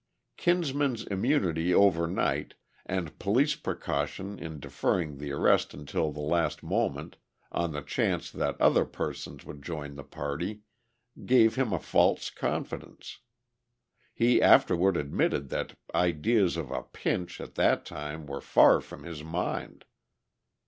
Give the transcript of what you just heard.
Kinsman's immunity over night, and police precaution in deferring the arrest until the last moment, on the chance that other persons would join the party, gave him a false confidence. He afterward admitted that ideas of a "pinch" at that time were far from his mind.